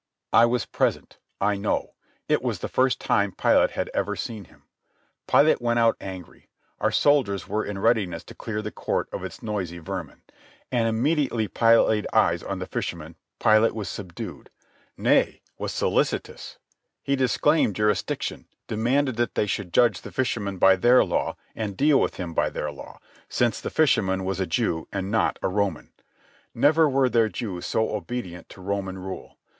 I was present. I know. It was the first time Pilate had ever seen him. Pilate went out angry. Our soldiers were in readiness to clear the court of its noisy vermin. And immediately Pilate laid eyes on the fisherman Pilate was subdued—nay, was solicitous. He disclaimed jurisdiction, demanded that they should judge the fisherman by their law and deal with him by their law, since the fisherman was a Jew and not a Roman. Never were there Jews so obedient to Roman rule.